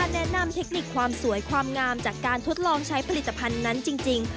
แนะนำเทคนิคความสวยความงามจากการทดลองใช้ผลิตภัณฑ์นั้นจริง